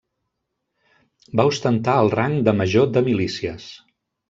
Va ostentar el rang de major de milícies.